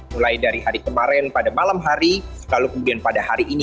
mulai dari hari kemarin pada malam hari lalu kemudian pada hari ini